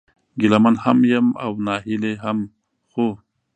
ګيله من هم يم او ناهيلی هم ، خو